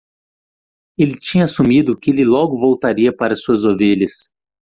Ele tinha assumido que ele logo voltaria para suas ovelhas.